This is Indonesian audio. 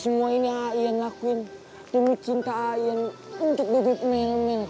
semua ini aai an lakuin demi cinta aai an untuk bebek melmel kok